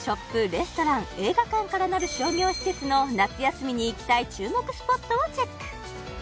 レストラン映画館からなる商業施設の夏休みに行きたい注目スポットをチェック！